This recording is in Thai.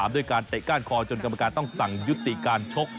ด้วยการเตะก้านคอจนกรรมการต้องสั่งยุติการชก